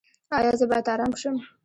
ایا زه باید ارام شم؟